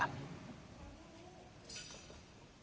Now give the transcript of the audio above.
pembeli mobil mewah di dalam dealer